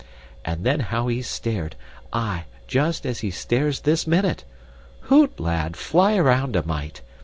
And then how he stared aye just as he stares this minute. Hoot, lad, fly around a mite.